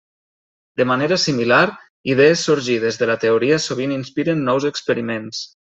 De manera similar, idees sorgides de la teoria sovint inspiren nous experiments.